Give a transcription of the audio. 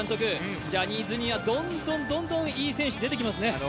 ジャニーズにはどんどんいい選手出てきますね。